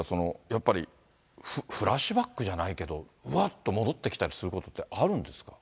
やっぱりフラッシュバックじゃないけど、ふわっと戻ってきたりすることってあるんですか？